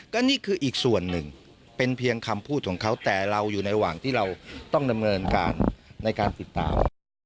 ก็นี่คืออีกส่วนหนึ่งเป็นเพียงคำพูดของเขาแต่เราอยู่ในระหว่างที่เราต้องดำเนินการในการติดตาม